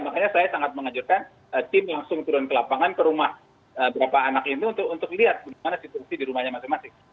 makanya saya sangat mengajurkan tim langsung turun ke lapangan ke rumah berapa anak ini untuk lihat bagaimana situasi di rumahnya masing masing